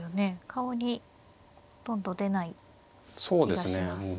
顔にほとんど出ない気がします。